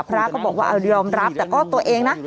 พระก็บอกว่ายอมรับแต่ก็ตัวเองนะ